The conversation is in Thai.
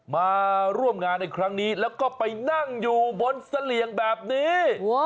มาร่วมงานในครั้งนี้แล้วก็ไปนั่งอยู่บนเสลี่ยงแบบนี้